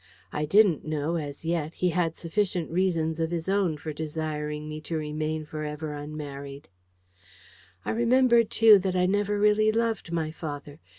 I didn't know, as yet, he had sufficient reasons of his own for desiring me to remain for ever unmarried. I remembered, too, that I never really loved my father.